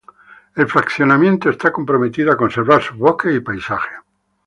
El fraccionamiento esta comprometido a conservar sus bosques y paisajes.